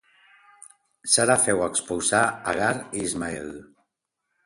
Sara féu expulsar Agar i Ismael.